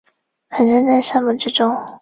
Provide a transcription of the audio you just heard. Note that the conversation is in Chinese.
蹒跚在沙漠之中